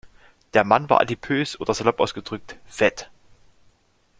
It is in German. Der Mann war adipös, oder salopp ausgedrückt: Fett.